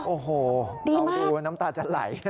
โอ้โฮดีมากเอาดูว่าน้ำตาจะไหล